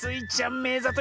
めざとい！